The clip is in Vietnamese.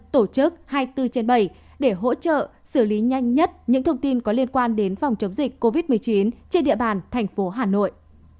tổ chức hai mươi bốn trên bảy để hỗ trợ xử lý nhanh nhất những thông tin có liên quan đến phòng chống dịch covid một mươi chín trên địa bàn thành phố hà nội